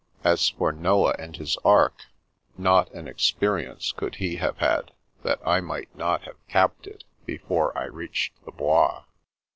As for Noah and his ark, not an experience could he have had that I might not have capped it before I reached the Bois.